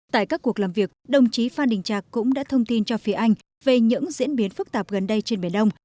tại các cuộc làm việc đồng chí phan đình trạc cũng đã thông tin cho phía anh về những diễn biến phức tạp gần đây trên biển đông